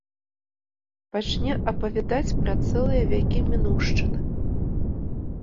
Пачне апавядаць пра цэлыя вякі мінуўшчыны.